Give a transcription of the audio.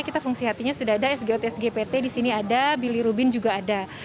kita fungsi hatinya sudah ada sgotsgpt di sini ada bilirubin juga ada